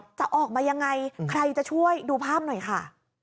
จะออกมายังไงใครจะช่วยดูภาพหน่อยค่ะ